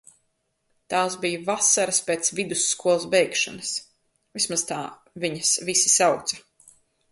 Tās bija vasaras pēc vidusskolas beigšanas. Vismaz tā viņas visi sauca.